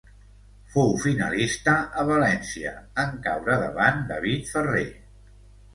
Fou finalista a València en caure davant David Ferrer.